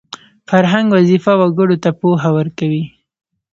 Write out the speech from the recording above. فرهنګ وظیفه وګړو ته پوهه ورکوي